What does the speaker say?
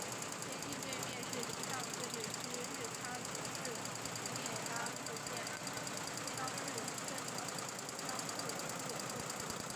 边境对面是西藏自治区日喀则市聂拉木县樟木镇的樟木居委会。